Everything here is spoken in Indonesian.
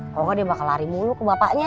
kalau enggak dia bakal lari mulu ke bapaknya